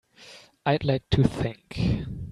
I'd like to think.